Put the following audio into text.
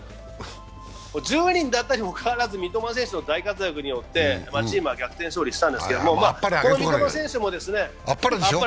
１０人だったにもかかわらず三笘選手の大活躍によってチームは逆転勝利したんですけど。